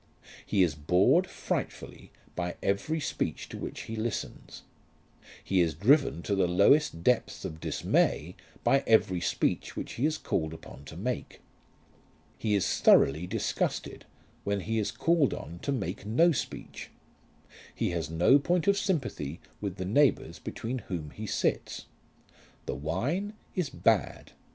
He is bored frightfully by every speech to which he listens. He is driven to the lowest depths of dismay by every speech which he is called upon to make. He is thoroughly disgusted when he is called on to make no speech. He has no point of sympathy with the neighbours between whom he sits. The wine is bad.